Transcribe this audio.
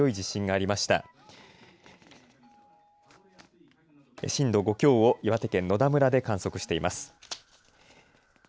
震度５強を岩手県野田村で観測しています。